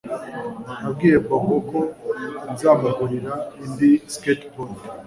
Nabwiye Bobo ko nzamugurira indi skateboard